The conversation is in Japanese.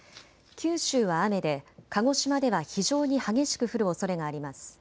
九州は雨で鹿児島では非常に激しく降るおそれがあります。